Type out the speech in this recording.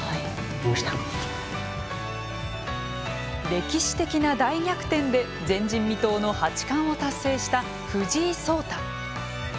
歴史的な大逆転で前人未到の八冠を達成した藤井聡太。